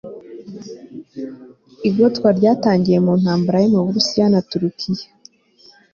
igotwa rya ryatangiriye mu ntambara yo mu burusiya na turukiya